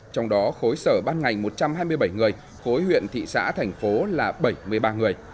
trong đó khối sở ban ngành một trăm hai mươi bảy người khối huyện thị xã thành phố là bảy mươi ba người